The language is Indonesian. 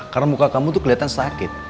karena muka kamu tuh kelihatan sakit